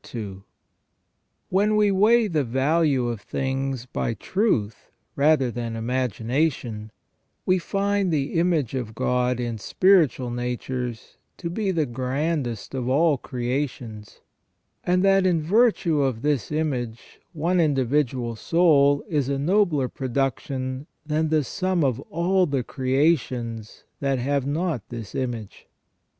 * When we weigh the value of things by truth rather than imagination, we find the image of God in spiritual natures to be the grandest of all creations, and that in virtue of this image one individual soul is a nobler production than the sum of all the creations that have not this image.